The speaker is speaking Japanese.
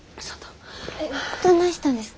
どないしたんですか？